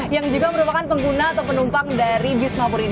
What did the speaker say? yang juga merupakan pengguna atau penumpang dari bis mapur ini